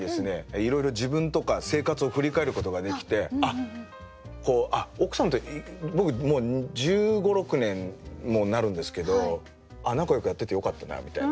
いろいろ自分とか生活を振り返ることができてあっ奥さんと僕もう１５１６年なるんですけど仲よくやっててよかったなみたいな。